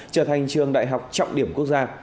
trở thành trường đại học trọng điểm quốc gia